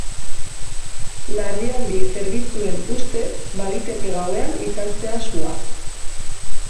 Larrialdi zerbitzuen ustez, baliteke gauean itzaltzea sua.